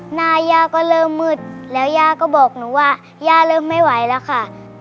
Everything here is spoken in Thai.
หน้าย่าก็เริ่มมืดแล้วย่าก็บอกหนูว่าย่าเริ่มไม่ไหวแล้วค่ะ